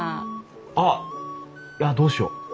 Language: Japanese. あっあっどうしよう。